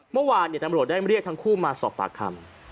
เมื่อวานตำรวจได้เรียกทั้งคู่มาสอบปากคำ